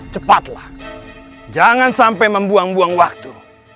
cepatlah jangan sampai membuang buang waktu